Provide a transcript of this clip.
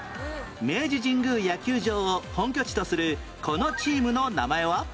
明治神宮野球場を本拠地とするこのチームの名前は？